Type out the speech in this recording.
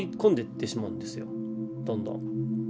どんどん。